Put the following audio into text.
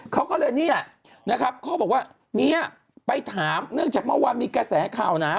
เขาก็เลยเนี่ยนะครับเขาบอกว่าเนี่ยไปถามเนื่องจากเมื่อวานมีกระแสข่าวหนา